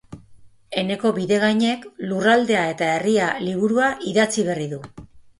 Eneko Bidegainek Lurraldea eta Herria liburua idatzi berri du.